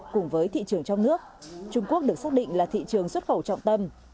cùng với thị trường trong nước trung quốc được xác định là thị trường xuất khẩu trọng tâm